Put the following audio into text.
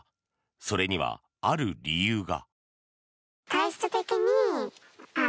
それには、ある理由が。